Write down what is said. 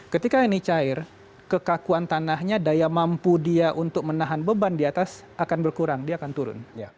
ketika ini cair kekakuan tanahnya daya mampu dia untuk menahan beban di atas akan berkurang dia akan turun